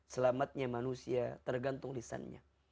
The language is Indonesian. selamatnya manusia tergantung lisannya